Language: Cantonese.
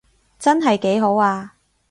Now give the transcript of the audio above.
真係幾好啊